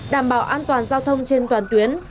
đảm bảo an toàn giao thông trên toàn tuyến